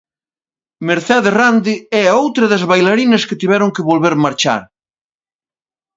Mercé de Rande é outra das bailarinas que tiveron que volver marchar.